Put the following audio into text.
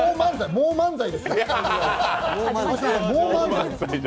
もう漫才ですよ。